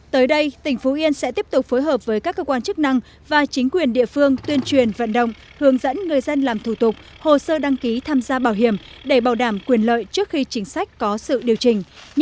tới đây tỉnh phú yên sẽ tiếp tục phối hợp với các cơ quan chức năng và chính quyền địa phương tuyên truyền vận động hướng dẫn người dân làm thủ tục hồ sơ đăng ký tham gia bảo hiểm để bảo đảm quyền lợi trước khi chính sách có sự điều chỉnh